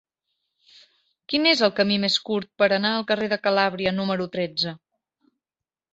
Quin és el camí més curt per anar al carrer de Calàbria número tretze?